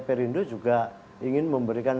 perindu juga ingin memberikan